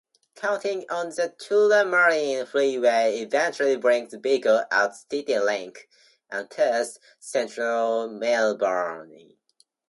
Continuing on the Tullamarine Freeway eventually brings vehicles onto CityLink, and thus, central Melbourne.